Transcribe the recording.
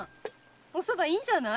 お蕎麦いいんじゃない？